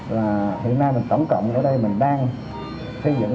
là hiện nay mình tổng cộng ở đây mình đang thiết dụng là hai trăm tám mươi